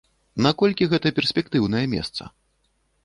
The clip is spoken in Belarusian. Наколькі гэта перспектыўнае месца?